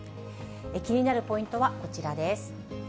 気になるポイントはこちらです。